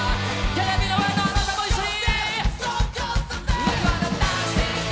テレビの前のあなたも一緒に！